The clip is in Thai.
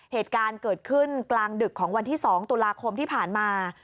เหตุการณ์เกิดขึ้นกลางดึกของวันที่๒ตุลาคมที่ผ่านมา